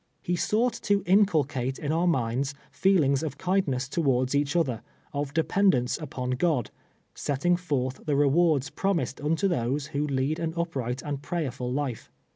He sought to inculcate in our minds feelings of kind ness towards each other, of dependence upon God —■ setting forth the rewards promised unto those who lead an upright and prayerful life.